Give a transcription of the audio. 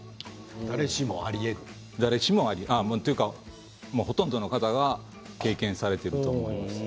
誰しもありえる。というか、ほとんどの方が経験されていると思います。